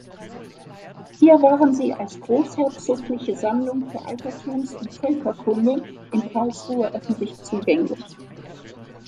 Hier waren sie als "Großherzogliche Sammlung für Altertums- und Völkerkunde in Karlsruhe" öffentlich zugänglich.